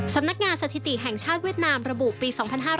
สำนักงานสถิติแห่งชาติเวียดนามระบุปี๒๕๕๙